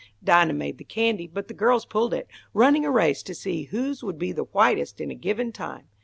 Dinah made the candy, but the girls pulled it, running a race to see whose would be the whitest in a given time.